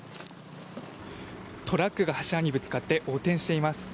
トラックが柱にぶつかって横転しています。